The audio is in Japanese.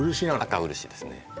赤漆ですね